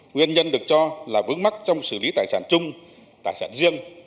nguyên nhân được cho là vướng mắc trong xử lý tài sản chung tài sản riêng